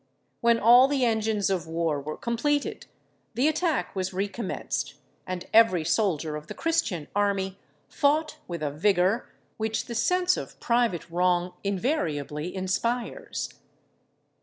When all the engines of war were completed, the attack was recommenced, and every soldier of the Christian army fought with a vigour which the sense of private wrong invariably inspires.